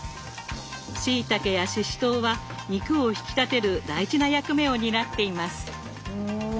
しいたけやししとうは肉を引き立てる大事な役目を担っています。